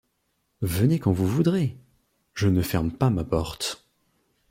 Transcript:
Venez quand vous voudrez, je ne ferme pas ma porte.